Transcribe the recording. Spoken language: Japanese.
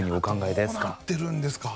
どうなってるんですか？